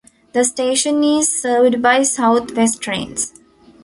The station is served by South West Trains.